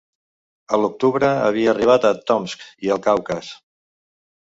A l'octubre, havia arribat a Tomsk i el Caucas.